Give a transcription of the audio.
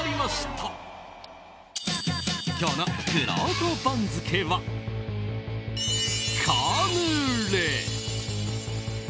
今日のくろうと番付は、カヌレ。